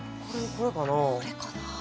これかなあ。